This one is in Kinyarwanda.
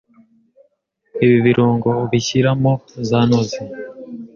ibi birungo ubishyiramo zanoze